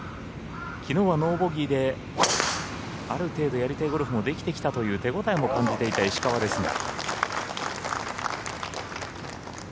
きのうはノーボギーである程度やりたいゴルフもできてきたという手応えも感じていた石川ですが。